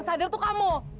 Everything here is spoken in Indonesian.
eh sadar tuh kamu